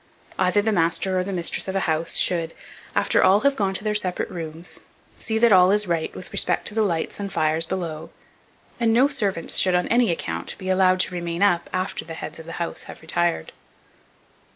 Either the master or the mistress of a house should, after all have gone to their separate rooms, see that all is right with respect to the lights and fires below; and no servants should, on any account, be allowed to remain up after the heads of the house have retired.